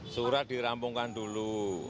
surat dirampungkan dulu